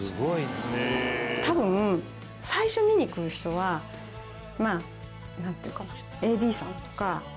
多分最初見に来る人はなんていうのかなＡＤさんとか。